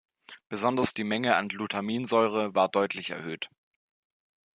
Besonders die Menge an -Glutaminsäure war deutlich erhöht.